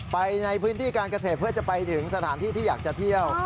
ไปในพื้นที่การเกษตรเพื่อจะไปถึงสถานที่ที่อยากจะเที่ยว